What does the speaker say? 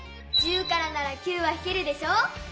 １０からなら９はひけるでしょ？